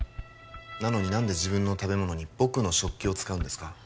なのに何で自分の食べ物に僕の食器を使うんですか？